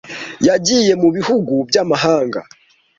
Yagiye mu bihugu by'amahanga.